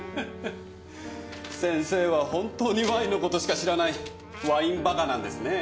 先生は本当にワインの事しか知らない「ワインバカ」なんですねぇ。